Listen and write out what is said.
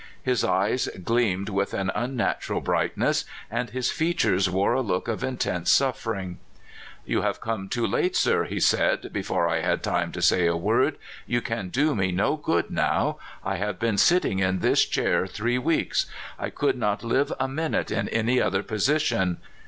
His eyes gleamed with an unnatural brightness, and his features wore a look of intense suffering. AT THE END. 323 *' You have come too late, sir," he said, before I had time to say a word. You can do me no good now. I have been sitting in this chair three weeks. I could not live a minute in any other position.